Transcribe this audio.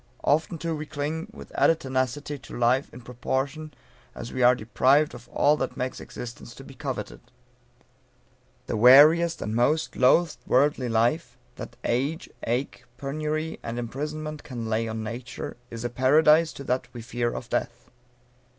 Often, too, we cling with added tenacity to life in proportion as we are deprived of all that makes existence to be coveted. [Illustration: Thomas Fuller striking Ruiz in Court.] "The weariest and most loathed worldly life. That age, ache, penury and imprisonment Can lay on Nature, is a Paradise To that we fear of Death."